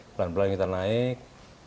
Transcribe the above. pelan pelan kita naik